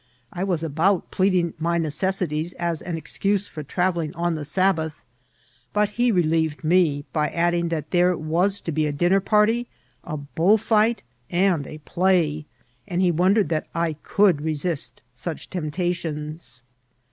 I was about pleading my necessities as an excuse for travelling on the Sabbath ; but he relieved me by adding that there was to be a dinner party, a bullfight, and a play, and he wondered that I could resist such temptations.